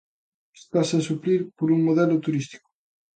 Estase a suplir por un modelo turístico.